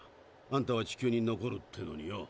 あんたは地球に残るってのによ。